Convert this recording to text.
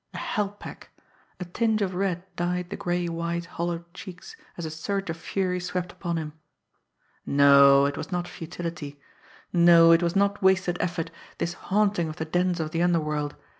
A hell pack! A tinge of red dyed the grey white, hollowed cheeks, as a surge of fury swept upon him. No, it was not futility; no, it was not wasted effort this haunting of the dens of the underworld!